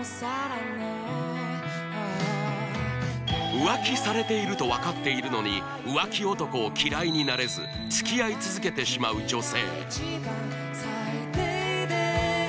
浮気されていると分かっているのに浮気男を嫌いになれず付き合い続けてしまう女性